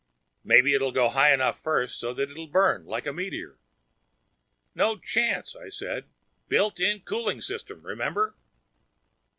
"Maybe it'll go high enough first so that it'll burn. Like a meteor." "No chance," I said. "Built in cooling system, remember?"